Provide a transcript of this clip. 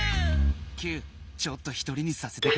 キューちょっと１人にさせてくれ。